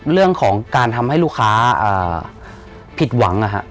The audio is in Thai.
เรื่องของการทำให้ลูกค้าผิดหวัง